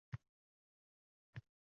elektron davlat xizmatlarini ko‘rsatishda